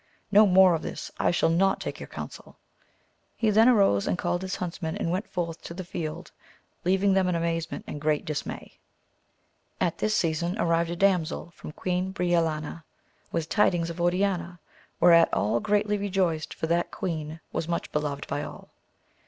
No more of this ! I shall not take your counsel ! He then arose and called his huntsmen and went forth to the field, leaving them in amazement and great dismay. At this season arrived a damsel from Queen Brio lania with tidings to Oriana, whereat all greatly re joiced for that queen was much beloved by all.